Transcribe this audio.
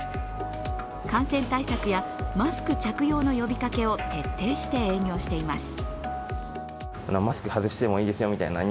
感染対策やマスク着用の呼びかけを徹底して営業しています。